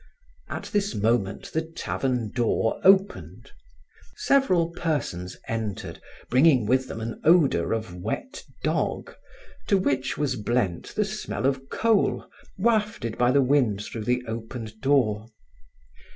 At this moment, the tavern door opened. Several persons entered bringing with them an odor of wet dog to which was blent the smell of coal wafted by the wind through the opened door.